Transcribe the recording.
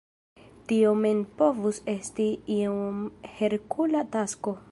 Tio mem povus esti iom Herkula tasko.